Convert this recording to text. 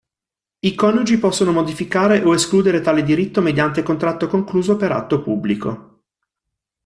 I coniugi possono modificare o escludere tale diritto mediante contratto concluso per atto pubblico”.